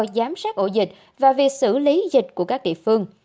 giám sát ổ dịch và việc xử lý dịch của các địa phương